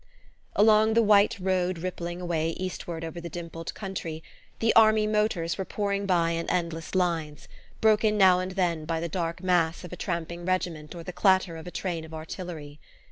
_ Along the white road rippling away eastward over the dimpled country the army motors were pouring by in endless lines, broken now and then by the dark mass of a tramping regiment or the clatter of a train of artillery.